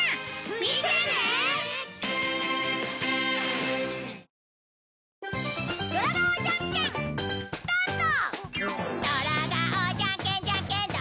見てね！スタート！